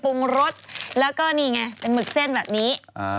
ปรุงรสแล้วก็นี่ไงเป็นหมึกเส้นแบบนี้